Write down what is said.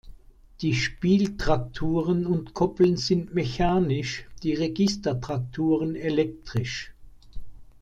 Die Spieltrakturen und Koppeln sind mechanisch, die Registertrakturen elektrisch.